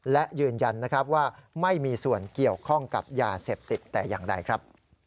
และยืนยันนะครับว่าไม่มีส่วนเกี่ยวข้องกับยาเสพติดแต่อย่างใดครับ